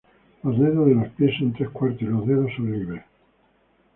Los dedos de los pies son tres cuartos y los dedos son libres.